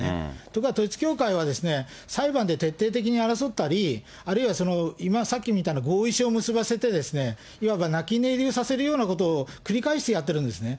ところが統一教会は、裁判で徹底的に争ったり、あるいは今、さっきみたいな合意書を結ばせて、いわば泣き寝入りをさせるようなことを繰り返してやってるんですね。